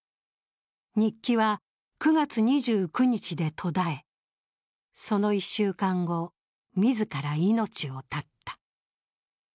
日記は９月２９日で途絶え、その１週間後、自ら命を絶った。